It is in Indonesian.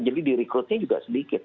jadi direkrutnya juga sedikit